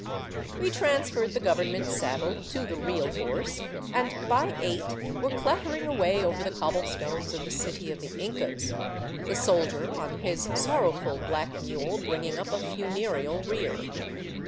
We transferred the government saddle to the real horse and by eight were clattering away over the cobblestones of the City of the Incas, the soldier on his sorrowful black mule bringing up a funereal rear.